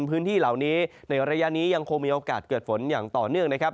พื้นที่เหล่านี้ในระยะนี้ยังคงมีโอกาสเกิดฝนอย่างต่อเนื่องนะครับ